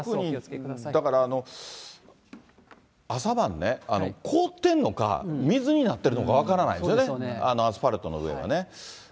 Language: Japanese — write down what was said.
特にだから、朝晩ね、凍ってるのか、水になってるのか、分からないんですよね、アスファルトの上がね。